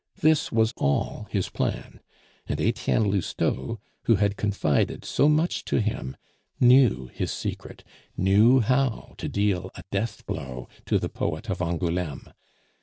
This was all his plan, and Etienne Lousteau, who had confided so much to him, knew his secret, knew how to deal a deathblow to the poet of Angouleme.